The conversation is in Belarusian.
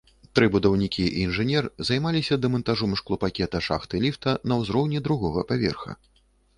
Тры будаўнікі і інжынер займаліся дэмантажом шклопакета шахты ліфта на ўзроўні другога паверха.